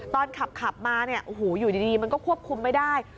ตอนขับมาอยู่ดีมันก็ควบคุมไม่ได้